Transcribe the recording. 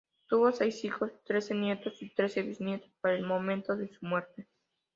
Tuvo seis hijos, trece nietos y trece bisnietos, para el momento de su muerte.